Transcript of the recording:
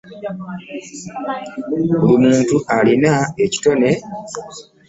Buli muntu alina ekitone eky'enjawulo